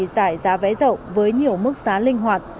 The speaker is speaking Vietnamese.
giải giá vé rộng với nhiều mức sáng linh hoạt